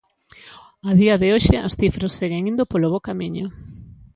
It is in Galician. A día de hoxe, as cifras seguen indo polo bo camiño.